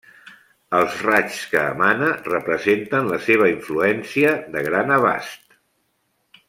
Els raigs que emana representen la seva influència de gran abast.